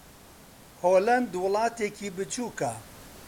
ھۆلەند وڵاتێکی بچووکە.